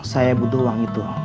saya butuh uang itu